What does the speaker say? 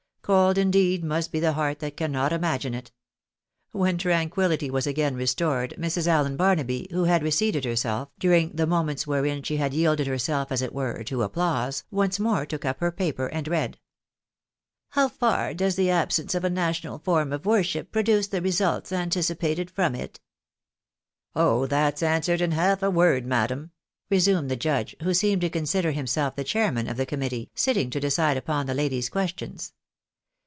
Cold indeed must be the heart that cannot imagine it ! When tranquillity was again restored, Mrs. Allen Barnaby, who had re seated herself, during the moments wherein she had yielded herself as it were, to applause, once more took up her paper and read —" How far does the absence of a national form of worship pro duce the results anticipated from it ?"" Oh, that's answered in half a word, madam," resumed the judge, who seemed to consider himself the chairman of the com mittee, sitting to decide upon the lady's questions.